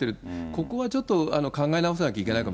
ここはちょっと考え直さなきゃい